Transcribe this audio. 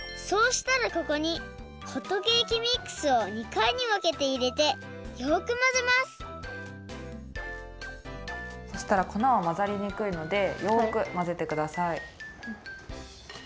そうしたらここにホットケーキミックスを２かいにわけていれてよくまぜますそしたらこなはまざりにくいのでよくまぜてください。